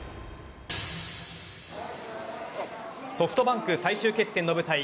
ソフトバンク最終決戦の舞台ＺＯＺＯ